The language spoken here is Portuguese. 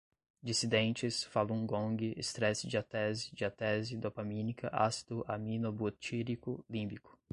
dissidentes, falun gong, estresse-diátese, diátese, dopamínica, ácido aminobutírico, límbico